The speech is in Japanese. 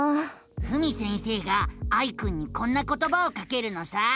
ふみ先生がアイくんにこんなことばをかけるのさ。